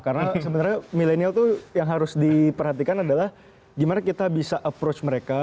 karena sebenarnya milenial itu yang harus diperhatikan adalah gimana kita bisa approach mereka